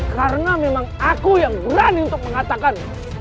karena memang aku yang berani untuk mengatakan